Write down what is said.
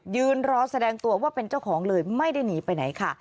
ยืนรอแสดงตัวว่าเป็นเจ้าของเลยไม่ได้หนีไปไหนค่ะ